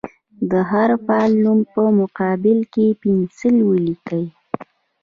د هر فعل نوم په مقابل کې په پنسل ولیکئ.